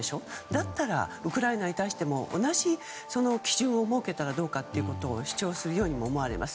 だったらウクライナに対しても同じ基準を設けたらどうかということを主張するように思われます。